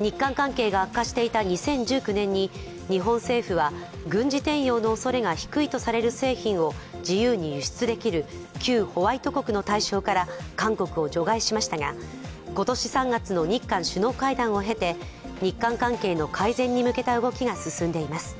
日韓関係が悪化していた２０１９年に日本政府は、軍事転用のおそれが低いとされる製品を自由に輸出できる旧ホワイト国の対象から韓国を除外しましたが今年３月の日韓首脳会談を経て日韓関係の改善に向けた動きが進んでいます。